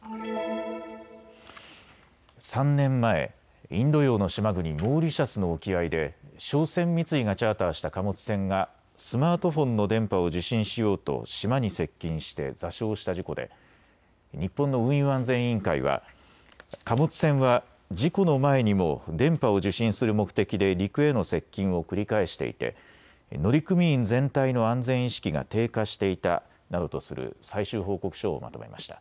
３年前、インド洋の島国、モーリシャスの沖合で商船三井がチャーターした貨物船がスマートフォンの電波を受信しようと島に接近して座礁した事故で日本の運輸安全委員会は貨物船は事故の前にも電波を受信する目的で陸への接近を繰り返していて乗組員全体の安全意識が低下していたなどとする最終報告書をまとめました。